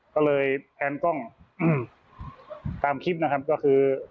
ก็เลยแอนกล้องตามคลิปนะครับก็คือ